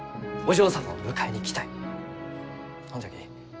ほんじゃき